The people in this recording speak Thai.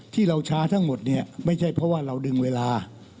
ที่เราช้าทั้งหมดเนี่ยไม่ใช่เพราะว่าเราดึงเวลา